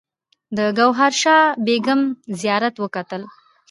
د ګوهر شاد بیګم زیارت وکتل.